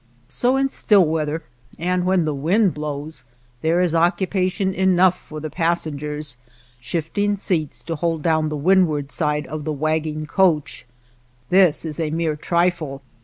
So in still weather ; and when the wind blows there is occupation enough for the passen 107 JIMVILLE gers, shifting seats to hold down the wind ward side of the wagging coach. This is a mere trifle.